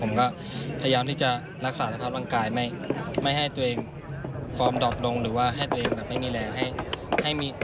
ผมก็พยายามที่จะรักษาสภาพร่างกายไม่ให้ตัวเองฟอร์มดอบลงหรือว่าให้ตัวเองแบบไม่มีแรง